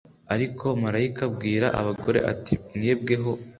ariko marayika abwira abagore ati mwebweho